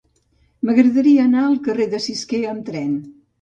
M'agradaria anar al carrer de Cisquer amb tren.